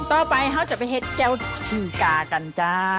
ต่อไปเขาจะไปเห็ดแก้วชีกากันจ้า